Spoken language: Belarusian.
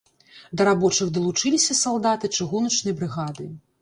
Да рабочых далучыліся салдаты чыгуначнай брыгады.